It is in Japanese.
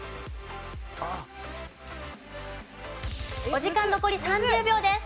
お時間残り３０秒です。